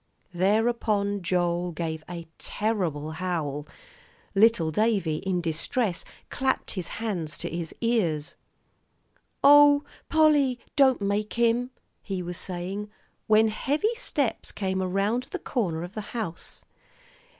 Thereupon Joel gave a terrible howl. Little Davie, in distress, clapped his hands to his ears. "Oh, Polly, don't make him," he was saying, when heavy steps came around the corner of the house.